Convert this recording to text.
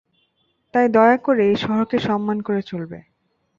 তাই দয়া করে, এই শহরকে সন্মান করে চলবে।